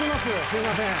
すいません。